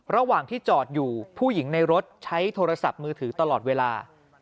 ระหว่างที่จอดอยู่ผู้หญิงในรถใช้โทรศัพท์มือถือตลอดเวลา